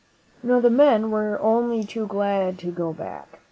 ^c «»*~i Now, the men were only too glad to go back.